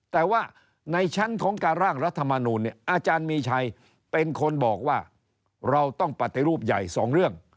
แต่ว่าในชั้นของการร่างรัฐมนูลเนี่ยอาจารย์มีชัยเป็นคนบอกว่าเราต้องปฏิรูปใหญ่สองเรื่อง